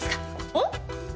おっ？